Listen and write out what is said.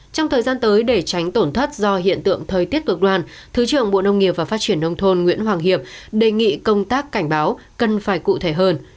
trong thời gian tới để tránh tổn thất do hiện tượng thời tiết cực đoan thứ trưởng bộ nông nghiệp và phát triển nông thôn nguyễn hoàng hiệp đề nghị công tác cảnh báo cần phải cụ thể hơn